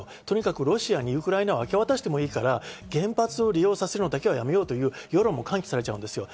とにかくロシアにウクライナを明け渡してもいいから原発を利用させるのだけはやめようという世論も喚起されます。